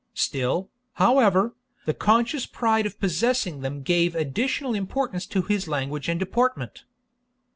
Still, however, the conscious pride of possessing them gave additional importance to his language and deportment.